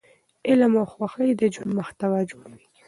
غم او خوښي د ژوند محتوا جوړوي.